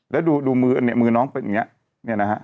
แล้วดูมือน้องเป็นอย่างนี้นี่นะครับ